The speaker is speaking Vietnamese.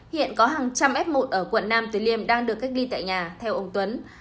hiện có hàng trăm f một ở quận nam từ liêm đang được cách ly tại nhà theo ông tuấn